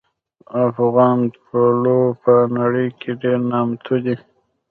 افغان پلو په نړۍ کې ډېر نامتو دي